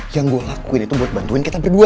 yang gue lakuin itu buat bantuin kita berdua